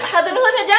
satu doang aja